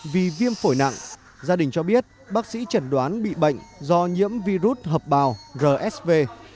vì viêm phổi nặng gia đình cho biết bác sĩ chẩn đoán bị bệnh do nhiễm virus hợp bào rsv